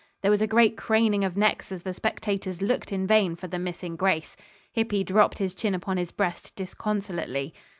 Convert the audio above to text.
There was a great craning of necks as the spectators looked in vain for the missing Grace. Hippy dropped his chin upon his breast disconsolately.